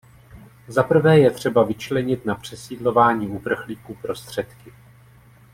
Zaprvé je třeba vyčlenit na přesídlování uprchlíků prostředky.